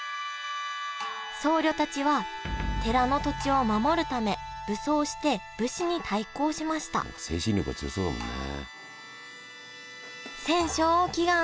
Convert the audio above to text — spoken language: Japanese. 僧侶たちは寺の土地を守るため武装して武士に対抗しました精神力が強そうだもんね。